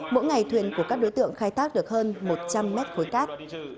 mỗi ngày thuyền của các đối tượng khai thác được hơn một trăm linh mét khối cát